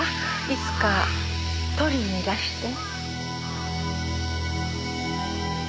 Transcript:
いつか取りにいらして。